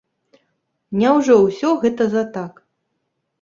Няўжо ўсё гэта за так?